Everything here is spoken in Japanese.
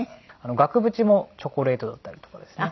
額縁もチョコレートだったりとかですね。